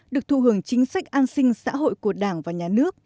được thụ hưởng chính sách an sinh xã hội của đảng và nhà nước